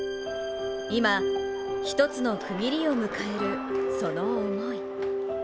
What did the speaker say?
今、一つの区切りを迎えるその思い。